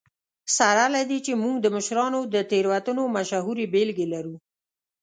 سره له دې چې موږ د مشرانو د تېروتنو مشهورې بېلګې لرو.